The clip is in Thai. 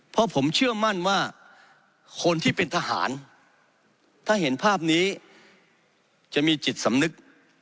เพราะผมเชื่อมั่นว่าคนที่เป็นทหารถ้าเห็นภาพนี้จะมีจิตสำนึก